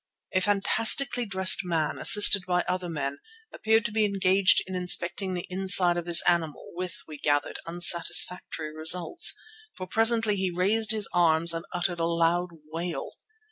A fantastically dressed man, assisted by other men, appeared to be engaged in inspecting the inside of this animal with, we gathered, unsatisfactory results, for presently he raised his arms and uttered a loud wail.